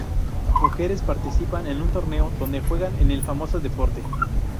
Mujeres participan en un torneo donde juegan en el famoso deporte.